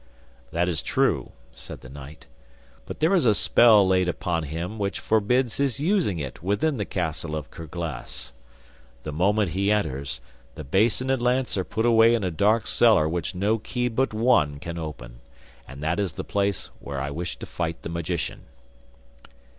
'That is true,' said the knight, 'but there is a spell laid upon him which forbids his using it within the castle of Kerglas. The moment he enters, the basin and lance are put away in a dark cellar which no key but one can open. And that is the place where I wish to fight the magician.